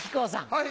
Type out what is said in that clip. はい。